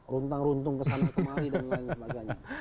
runtang runtung kesana kemari dan lain sebagainya